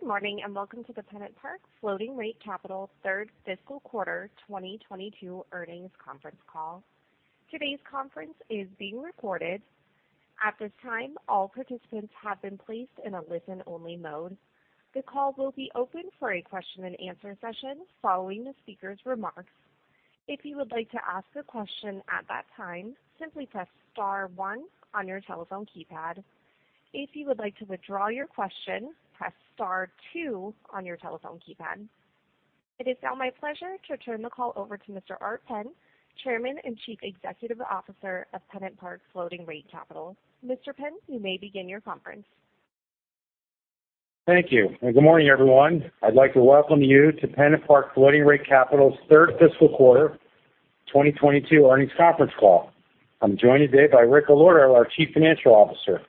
Good morning, and welcome to the PennantPark Floating Rate Capital third fiscal quarter 2022 earnings conference call. Today's conference is being recorded. At this time, all participants have been placed in a listen-only mode. The call will be open for a question-and-answer session following the speaker's remarks. If you would like to ask a question at that time, simply press star one on your telephone keypad. If you would like to withdraw your question, press star two on your telephone keypad. It is now my pleasure to turn the call over to Mr. Art Penn, Chairman and Chief Executive Officer of PennantPark Floating Rate Capital. Mr. Penn, you may begin your conference. Thank you, and good morning, everyone. I'd like to welcome you to PennantPark Floating Rate Capital's third fiscal quarter 2022 earnings conference call. I'm joined today by Rick Allorto, our Chief Financial Officer.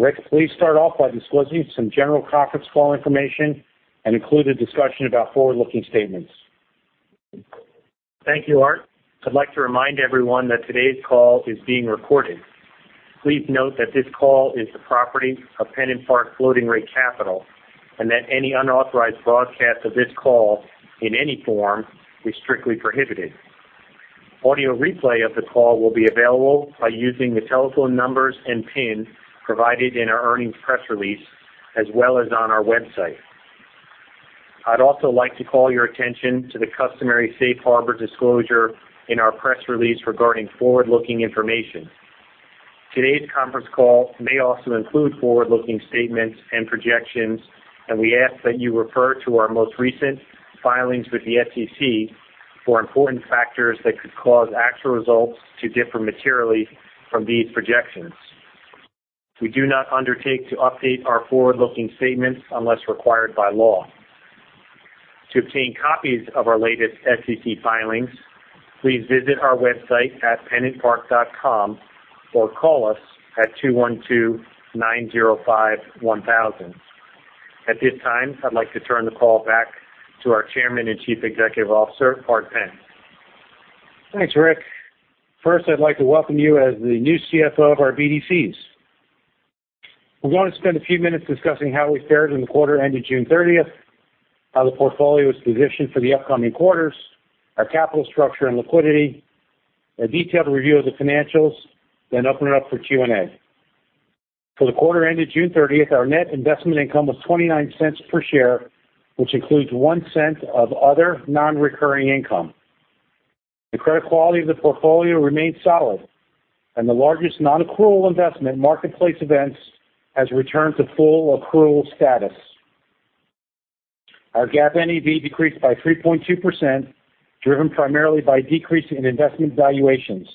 Rick, please start off by disclosing some general conference call information and include a discussion about forward-looking statements. Thank you, Art. I'd like to remind everyone that today's call is being recorded. Please note that this call is the property of PennantPark Floating Rate Capital and that any unauthorized broadcast of this call in any form is strictly prohibited. Audio replay of the call will be available by using the telephone numbers and PIN provided in our earnings press release as well as on our website. I'd also like to call your attention to the customary safe harbor disclosure in our press release regarding forward-looking information. Today's conference call may also include forward-looking statements and projections, and we ask that you refer to our most recent filings with the SEC for important factors that could cause actual results to differ materially from these projections. We do not undertake to update our forward-looking statements unless required by law. To obtain copies of our latest SEC filings, please visit our website at pennantpark.com or call us at 212-905-1000. At this time, I'd like to turn the call back to our Chairman and Chief Executive Officer, Art Penn. Thanks, Rick. First, I'd like to welcome you as the new CFO of our BDCs. We want to spend a few minutes discussing how we fared in the quarter ending June thirtieth, how the portfolio is positioned for the upcoming quarters, our capital structure and liquidity, a detailed review of the financials, then open it up for Q&A. For the quarter ending June thirtieth, our net investment income was $0.29 per share, which includes $0.01 of other non-recurring income. The credit quality of the portfolio remains solid, and the largest non-accrual investment Marketplace Events has returned to full accrual status. Our GAAP NAV decreased by 3.2%, driven primarily by decrease in investment valuations.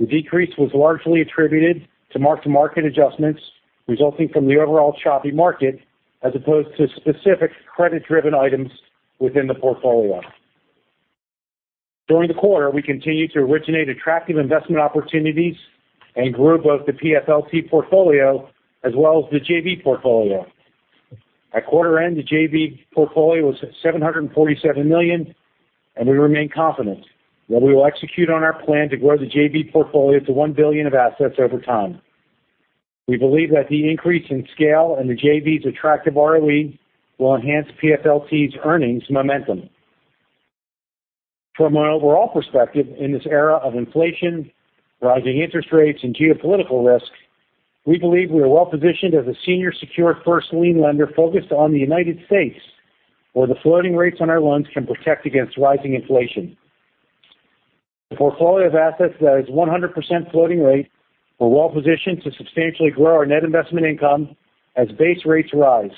The decrease was largely attributed to mark-to-market adjustments resulting from the overall choppy market as opposed to specific credit-driven items within the portfolio. During the quarter, we continued to originate attractive investment opportunities and grew both the PFLT portfolio as well as the JV portfolio. At quarter end, the JV portfolio was at $747 million, and we remain confident that we will execute on our plan to grow the JV portfolio to $1 billion of assets over time. We believe that the increase in scale and the JV's attractive ROE will enhance PFLT's earnings momentum. From an overall perspective, in this era of inflation, rising interest rates and geopolitical risks, we believe we are well-positioned as a senior secured first lien lender focused on the United States, where the floating rates on our loans can protect against rising inflation. The portfolio of assets that is 100% floating rate, we're well-positioned to substantially grow our net investment income as base rates rise.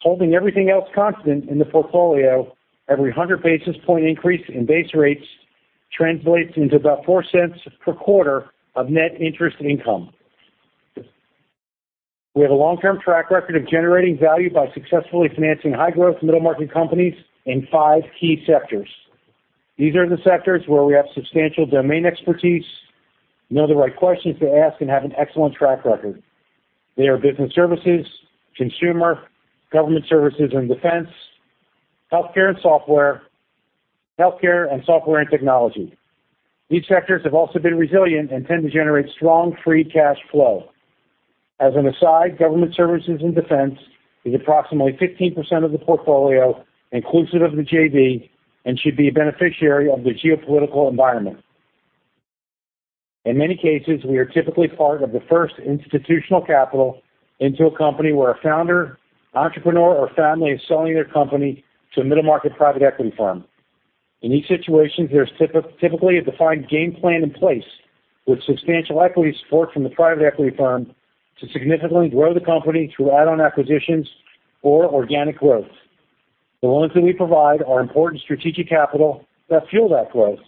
Holding everything else constant in the portfolio, every 100 basis point increase in base rates translates into about $0.04 per quarter of net interest income. We have a long-term track record of generating value by successfully financing high-growth middle-market companies in five key sectors. These are the sectors where we have substantial domain expertise, know the right questions to ask, and have an excellent track record. They are business services, consumer, government services and defense, healthcare and software and technology. These sectors have also been resilient and tend to generate strong free cash flow. As an aside, government services and defense is approximately 15% of the portfolio, inclusive of the JV, and should be a beneficiary of the geopolitical environment. In many cases, we are typically part of the first institutional capital into a company where a founder, entrepreneur or family is selling their company to a middle-market private equity firm. In these situations, there's typically a defined game plan in place with substantial equity support from the private equity firm to significantly grow the company through add-on acquisitions or organic growth. The loans that we provide are important strategic capital that fuel that growth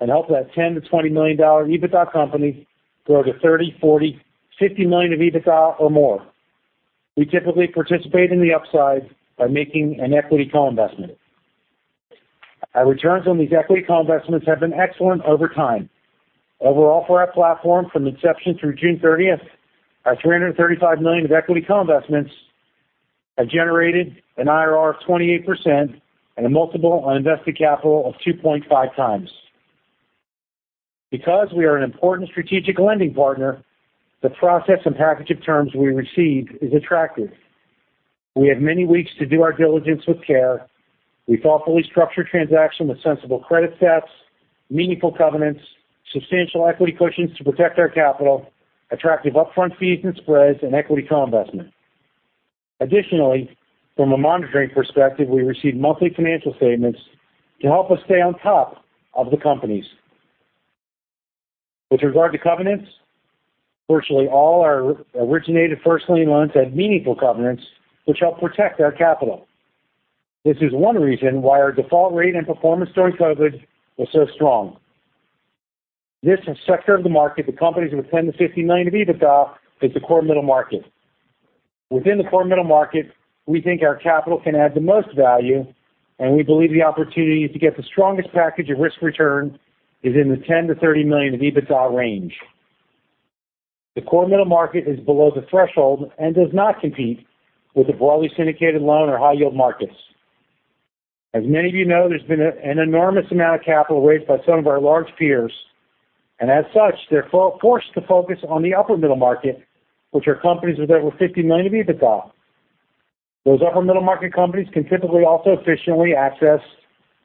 and help that $10-$20 million EBITDA company grow to 30, 40, 50 million of EBITDA or more. We typically participate in the upside by making an equity co-investment. Our returns on these equity co-investments have been excellent over time. Overall, for our platform from inception through June 30, our $335 million of equity co-investments have generated an IRR of 28% and a multiple on invested capital of 2.5x. Because we are an important strategic lending partner, the process and package of terms we receive is attractive. We have many weeks to do our diligence with care. We thoughtfully structure transactions with sensible credit stats, meaningful covenants, substantial equity cushions to protect our capital, attractive upfront fees and spreads, and equity co-investment. Additionally, from a monitoring perspective, we receive monthly financial statements to help us stay on top of the companies. With regard to covenants, virtually all our originated first lien loans had meaningful covenants which help protect our capital. This is one reason why our default rate and performance during COVID was so strong. This sector of the market, the companies with 10-15 million of EBITDA, is the core middle market. Within the core middle market, we think our capital can add the most value, and we believe the opportunity to get the strongest package of risk return is in the 10-30 million of EBITDA range. The core middle market is below the threshold and does not compete with the broadly syndicated loan or high yield markets. As many of you know, there's been an enormous amount of capital raised by some of our large peers. As such, they're forced to focus on the upper middle market, which are companies with over 50 million of EBITDA. Those upper middle market companies can typically also efficiently access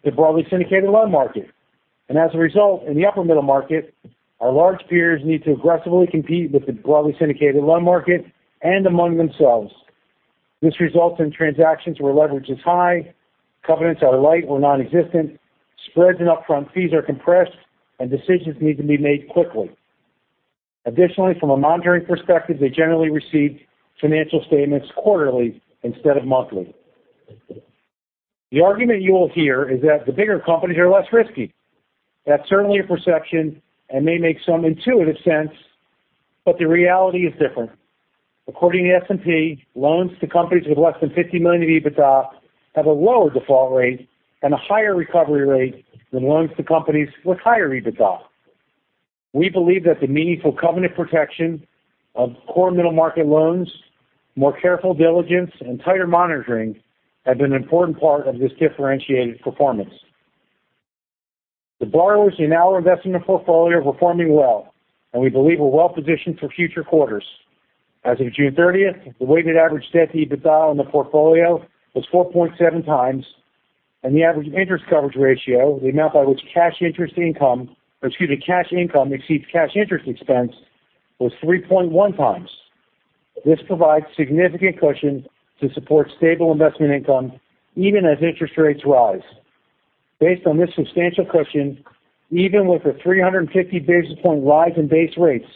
the broadly syndicated loan market. As a result, in the upper middle market, our large peers need to aggressively compete with the broadly syndicated loan market and among themselves. This results in transactions where leverage is high, covenants are light or nonexistent, spreads and upfront fees are compressed, and decisions need to be made quickly. Additionally, from a monitoring perspective, they generally receive financial statements quarterly instead of monthly. The argument you will hear is that the bigger companies are less risky. That's certainly a perception and may make some intuitive sense, but the reality is different. According to S&P, loans to companies with less than 50 million in EBITDA have a lower default rate and a higher recovery rate than loans to companies with higher EBITDA. We believe that the meaningful covenant protection of core middle market loans, more careful diligence, and tighter monitoring have been an important part of this differentiated performance. The borrowers in our investment portfolio are performing well, and we believe we're well-positioned for future quarters. As of June thirtieth, the weighted average debt-to-EBITDA on the portfolio was 4.7 times, and the average interest coverage ratio, the amount by which cash interest income, or excuse me, cash income exceeds cash interest expense, was 3.1 times. This provides significant cushion to support stable investment income even as interest rates rise. Based on this substantial cushion, even with a 350 basis point rise in base rates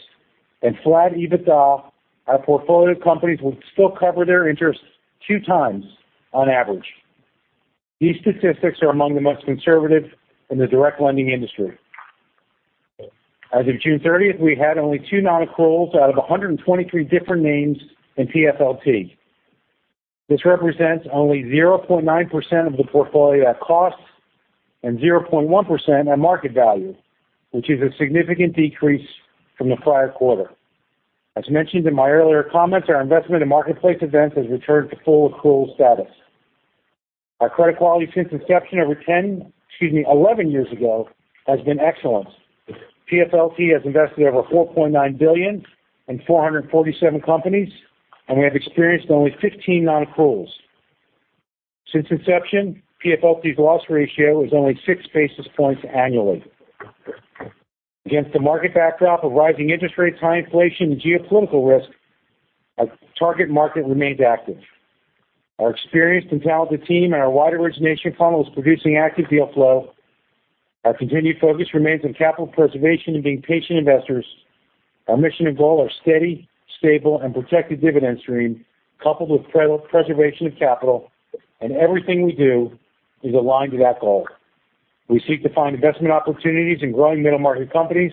and flat EBITDA, our portfolio companies would still cover their interest two times on average. These statistics are among the most conservative in the direct lending industry. As of June thirtieth, we had only two non-accruals out of 123 different names in PFLT. This represents only 0.9% of the portfolio at cost and 0.1% at market value, which is a significant decrease from the prior quarter. As mentioned in my earlier comments, our investment in Marketplace Events has returned to full accrual status. Our credit quality since inception over 10, excuse me, 11 years ago, has been excellent. PFLT has invested over $4.9 billion in 447 companies, and we have experienced only 15 non-accruals. Since inception, PFLT's loss ratio is only 6 basis points annually. Against the market backdrop of rising interest rates, high inflation, and geopolitical risk, our target market remains active. Our experienced and talented team and our wide origination funnel is producing active deal flow. Our continued focus remains on capital preservation and being patient investors. Our mission and goal are steady, stable, and protected dividend stream coupled with preservation of capital, and everything we do is aligned to that goal. We seek to find investment opportunities in growing middle market companies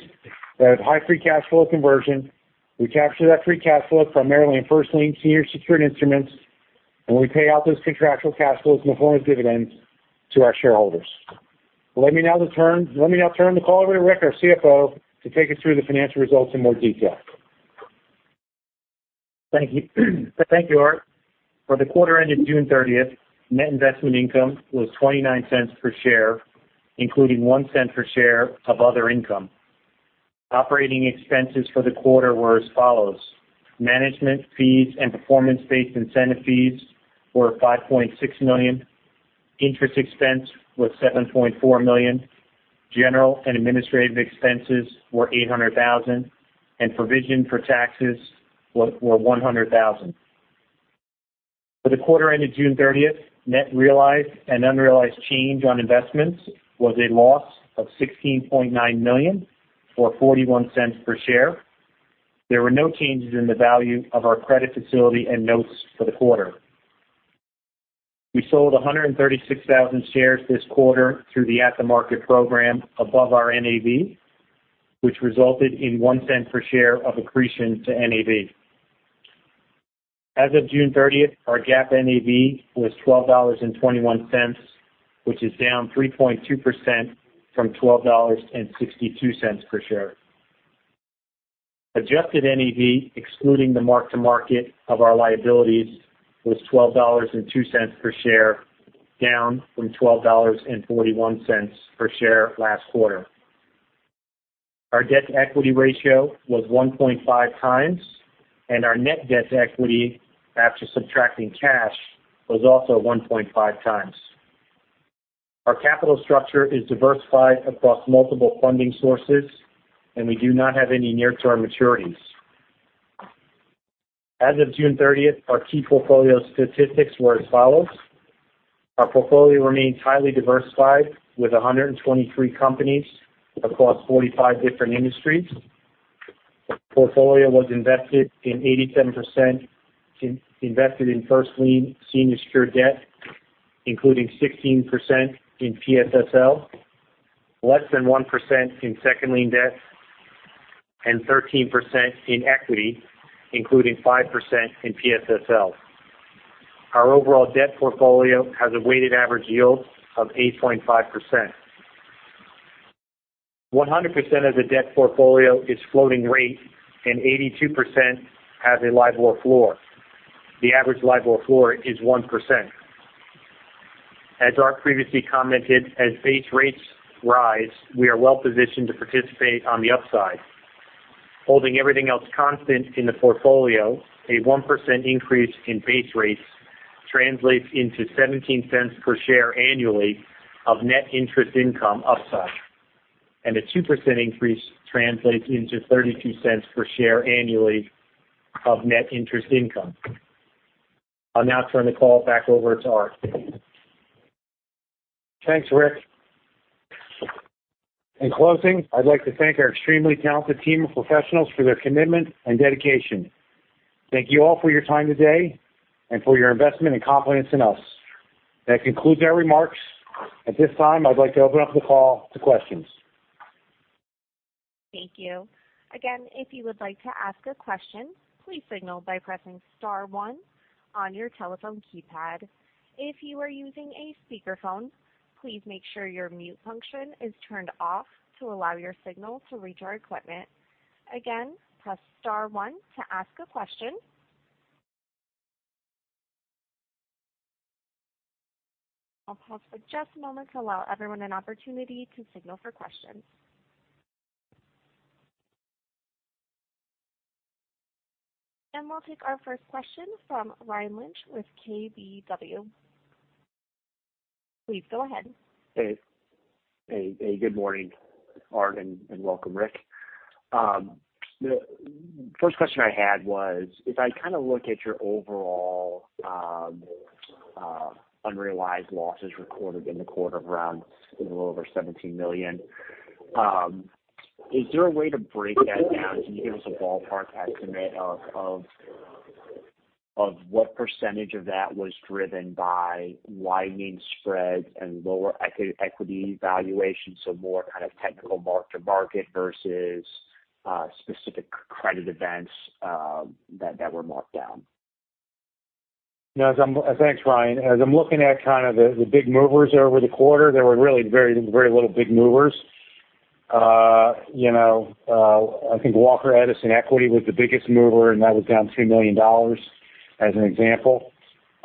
that have high free cash flow conversion. We capture that free cash flow primarily in first lien senior secured instruments, and we pay out those contractual cash flows in the form of dividends to our shareholders. Let me now turn the call over to Rick, our CFO, to take us through the financial results in more detail. Thank you. Thank you, Art. For the quarter ended June thirtieth, net investment income was $0.29 per share, including $0.01 per share of other income. Operating expenses for the quarter were as follows. Management fees and performance-based incentive fees were $5.6 million. Interest expense was $7.4 million. General and administrative expenses were $800,000. Provision for taxes were $100,000. For the quarter ended June thirtieth, net realized and unrealized change in investments was a loss of $16.9 million or $0.41 per share. There were no changes in the value of our credit facility and notes for the quarter. We sold 136,000 shares this quarter through the at-the-market program above our NAV, which resulted in $0.01 per share of accretion to NAV. As of June thirtieth, our GAAP NAV was $12.21, which is down 3.2% from $12.62 per share. Adjusted NAV, excluding the mark-to-market of our liabilities, was $12.02 per share, down from $12.41 per share last quarter. Our debt-to-equity ratio was 1.5x, and our net debt to equity after subtracting cash was also 1.5x. Our capital structure is diversified across multiple funding sources, and we do not have any near-term maturities. As of June 13th, our key portfolio statistics were as follows: Our portfolio remains highly diversified with 123 companies across 45 different industries. Portfolio was invested in 87% in first lien senior secured debt, including 16% in PSSL, less than 1% in second lien debt, and 13% in equity, including 5% in PSSL. Our overall debt portfolio has a weighted average yield of 8.5%. 100% of the debt portfolio is floating rate and 82% have a LIBOR floor. The average LIBOR floor is 1%. As Art previously commented, as base rates rise, we are well positioned to participate on the upside. Holding everything else constant in the portfolio, a 1% increase in base rates translates into $0.17 per share annually of net interest income upside, and a 2% increase translates into $0.32 per share annually of net interest income. I'll now turn the call back over to Art. Thanks, Rick. In closing, I'd like to thank our extremely talented team of professionals for their commitment and dedication. Thank you all for your time today and for your investment and confidence in us. That concludes our remarks. At this time, I'd like to open up the call to questions. Thank you. Again, if you would like to ask a question, please signal by pressing star one on your telephone keypad. If you are using a speakerphone, please make sure your mute function is turned off to allow your signal to reach our equipment. Again, press star one to ask a question. I'll pause for just a moment to allow everyone an opportunity to signal for questions. We'll take our first question from Ryan Lynch with KBW. Please go ahead. Hey, good morning, Art, and welcome, Rick. The first question I had was, if I kind of look at your overall unrealized losses recorded in the quarter of around a little over $17 million, is there a way to break that down? Can you give us a ballpark estimate of what percentage of that was driven by widening spreads and lower equity valuations? So more kind of technical mark to market versus specific credit events that were marked down. Yes, thanks, Ryan. As I'm looking at kind of the big movers over the quarter, there were really very, very little big movers. You know, I think Walker Edison equity was the biggest mover, and that was down $2 million as an example.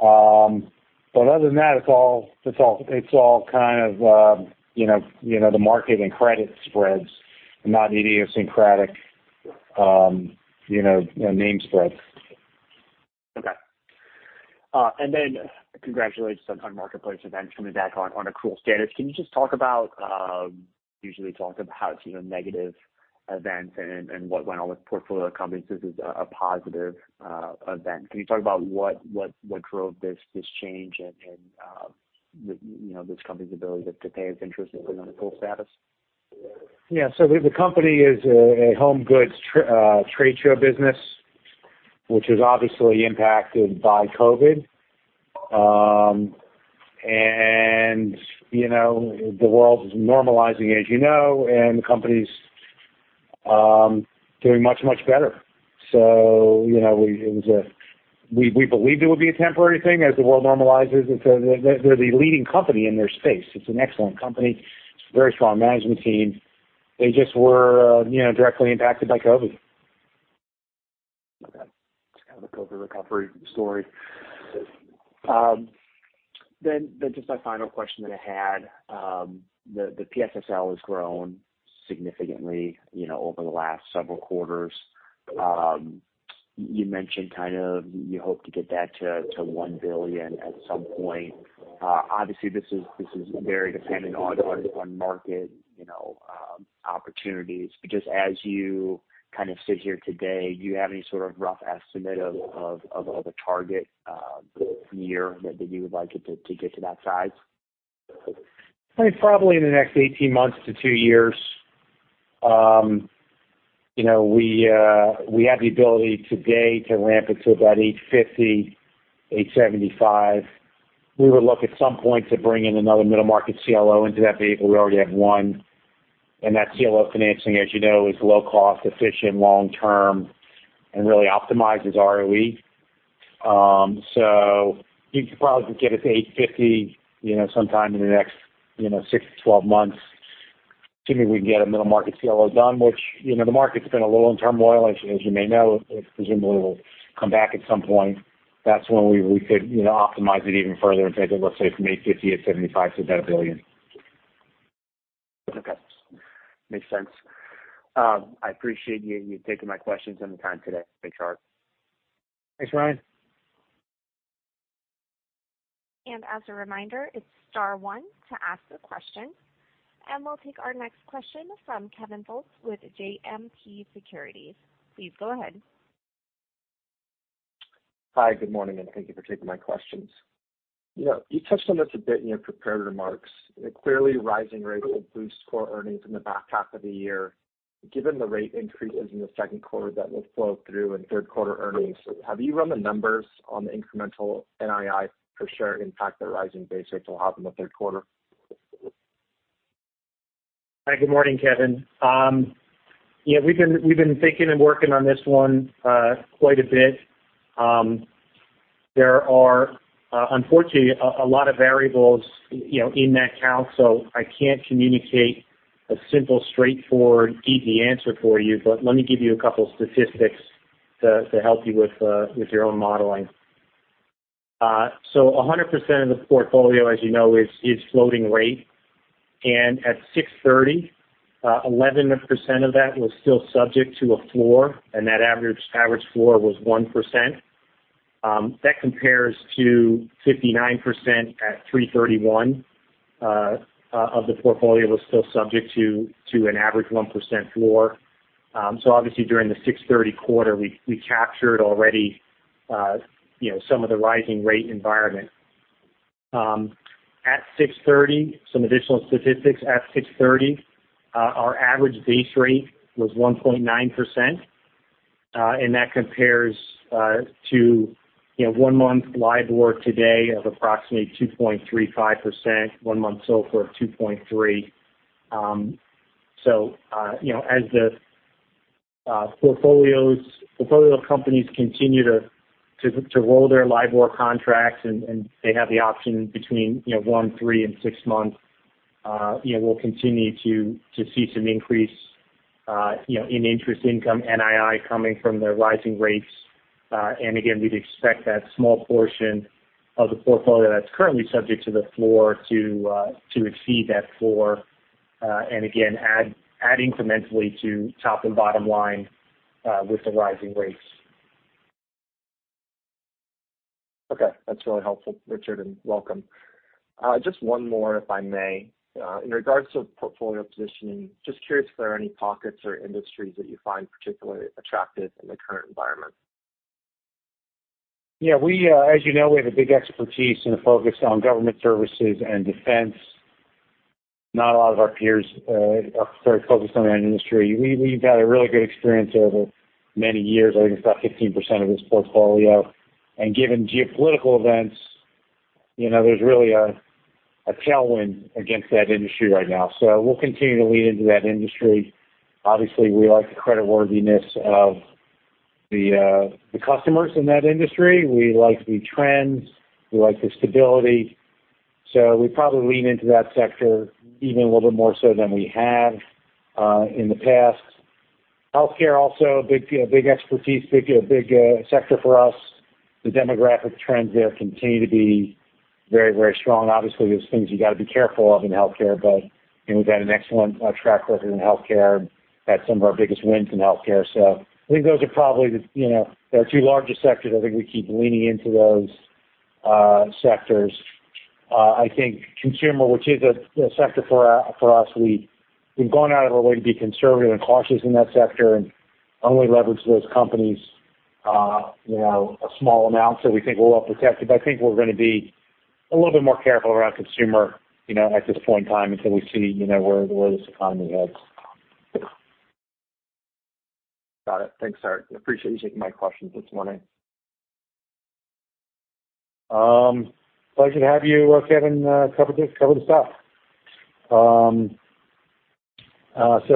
Other than that, it's all kind of, you know, the market and credit spreads, not idiosyncratic, you know, name spreads. Okay. Congratulations on Marketplace Events coming back on accrual status. Can you just usually talk about, you know, negative events and what went on with portfolio companies? This is a positive event. Can you just talk about what drove this change and, you know, this company's ability to pay its interest and bring on accrual status? Yeah. The company is a home goods trade show business, which is obviously impacted by COVID. You know, the world is normalizing, as you know, and the company's doing much better. You know, we believed it would be a temporary thing as the world normalizes. They're the leading company in their space. It's an excellent company. It's a very strong management team. They just were, you know, directly impacted by COVID. Okay. It's kind of a COVID recovery story. Just my final question that I had, the PSSL has grown significantly, you know, over the last several quarters. You mentioned kind of you hope to get that to $1 billion at some point. Obviously, this is very dependent on market, you know, opportunities. Just as you kind of sit here today, do you have any sort of rough estimate of a target year that you would like it to get to that size? I think probably in the next 18 months to two years. You know, we have the ability today to ramp it to about $850 million-$875 million. We would look at some point to bring in another middle market CLO into that vehicle. We already have one. That CLO financing, as you know, is low cost, efficient, long term, and really optimizes ROE. You could probably get it to $850 million, you know, sometime in the next, you know, six to 12 months, assuming we can get a middle market CLO done, which, you know, the market's been a little in turmoil, as you may know. It presumably will come back at some point. That's when we could, you know, optimize it even further and take it, let's say, from $850 million-$875 million to about $1 billion. Okay. Makes sense. I appreciate you taking my questions and the time today. Thanks, Art. Thanks, Ryan. As a reminder, it's star one to ask a question. We'll take our next question from Kevin Fultz with JMP Securities. Please go ahead. Hi, good morning, and thank you for taking my questions. You know, you touched on this a bit in your prepared remarks. Clearly, rising rates will boost core earnings in the back half of the year. Given the rate increases in the second quarter that will flow through in third quarter earnings, have you run the numbers on the incremental NII per share impact that rising base rates will have in the third quarter? Hi. Good morning, Kevin. Yeah, we've been thinking and working on this one, quite a bit. There are, unfortunately, a lot of variables, you know, in that count, so I can't communicate a simple, straightforward, easy answer for you. Let me give you a couple statistics to help you with your own modeling. 100% of the portfolio, as you know, is floating rate. At 6/30, 11% of that was still subject to a floor, and that average floor was 1%. That compares to 59% at 3/31 of the portfolio was still subject to an average 1% floor. Obviously, during the 6/30 quarter, we captured already, you know, some of the rising rate environment. At 6:30, some additional statistics. Our average base rate was 1.9%, and that compares, you know, to one-month LIBOR today of approximately 2.35%, one-month SOFR 2.3. As the portfolio companies continue to roll their LIBOR contracts and they have the option between one, three, and 6 months, you know, we'll continue to see some increase, you know, in interest income, NII coming from the rising rates. Again, we'd expect that small portion of the portfolio that's currently subject to the floor to exceed that floor and again, add incrementally to top and bottom line with the rising rates. Okay. That's really helpful, Richard, and welcome. Just one more, if I may. In regards to portfolio positioning, just curious if there are any pockets or industries that you find particularly attractive in the current environment? Yeah. We, as you know, have a big expertise and a focus on government services and defense. Not a lot of our peers are very focused on that industry. We've had a really good experience over many years. I think it's about 15% of this portfolio. Given geopolitical events, you know, there's really a tailwind against that industry right now. We'll continue to lean into that industry. Obviously, we like the creditworthiness of the customers in that industry. We like the trends. We like the stability. We probably lean into that sector even a little bit more so than we have in the past. Healthcare also a big, you know, big expertise, big sector for us. The demographic trends there continue to be very, very strong. Obviously, there's things you gotta be careful of in healthcare, but, you know, we've had an excellent track record in healthcare. Had some of our biggest wins in healthcare. I think those are probably the, you know, the two largest sectors. I think we keep leaning into those sectors. I think consumer, which is a sector for us, we've gone out of our way to be conservative and cautious in that sector and only leverage those companies, you know, a small amount so we think we're well protected. I think we're gonna be a little bit more careful around consumer, you know, at this point in time until we see, you know, where this economy heads. Got it. Thanks, Art. I appreciate you taking my questions this morning. Pleasure to have you, Kevin, cover the stuff.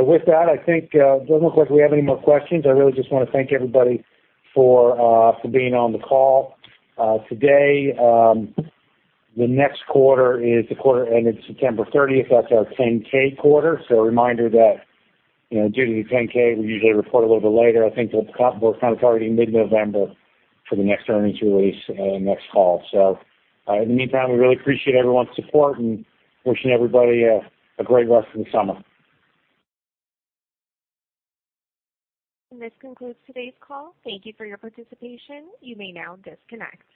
With that, I think, doesn't look like we have any more questions. I really just wanna thank everybody for being on the call today. The next quarter is the quarter ending September thirtieth. That's our 10-K quarter. A reminder that, you know, due to the 10-K, we usually report a little bit later. I think we're kind of targeting mid-November for the next earnings release and next call. In the meantime, we really appreciate everyone's support, and wishing everybody a great rest of the summer. This concludes today's call. Thank you for your participation. You may now disconnect.